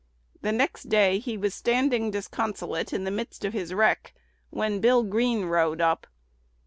The next day he was standing disconsolate in the midst of his wreck, when Bill Green rode up.